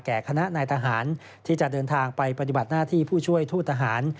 คณะนายทหารที่จะเดินทางไปปฏิบัติหน้าที่ผู้ช่วยทูตทหาร